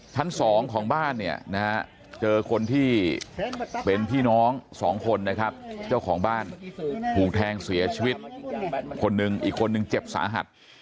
ชั้น๒ของบ้านเนี่ยนะฮะเจอคนที่เป็นพี่น้อง๒คนนะครับเจ้าของบ้านถูกแทงเสียชีวิตคนหนึ่งอีกคนนึงเจ็บสาหัส